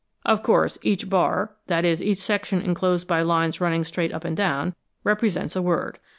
Of course, each bar that is, each section enclosed by lines running straight up and down represents a word.